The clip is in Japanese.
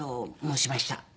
申しました。